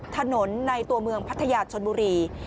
ถนนในตัวเมืองพัทยาชนบุรี